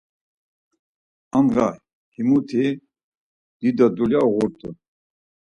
Andğa himuti dido dulya uğurt̆u.